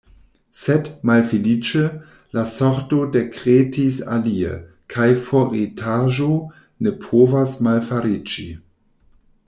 Sed, malfeliĉe, la sorto dekretis alie, kaj faritaĵo ne povas malfariĝi.